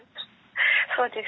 そうです。